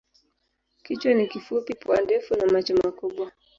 Kichwa ni kifupi, pua ndefu na macho makubwa.